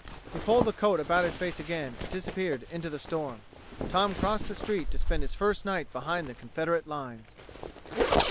He pulled the coat about his face again and disappeared into the storm. Tom crossed the street to spend his first night behind the Confederate lines.